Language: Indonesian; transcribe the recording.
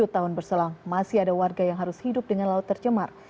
tujuh tahun berselang masih ada warga yang harus hidup dengan laut tercemar